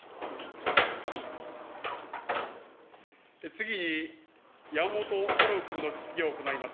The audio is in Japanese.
次に、山本太郎君の質疑を行います。